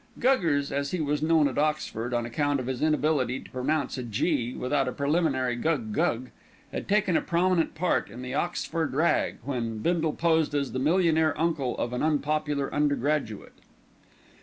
Guggers, as he was known at Oxford on account of his inability to pronounce a "G" without a preliminary "gug gug," had taken a prominent part in the Oxford rag, when Bindle posed as the millionaire uncle of an unpopular undergraduate.